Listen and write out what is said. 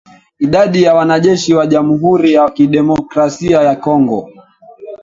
Idadi ya wanajeshi wa jamuhuri ya kidemokrasia ya Kongo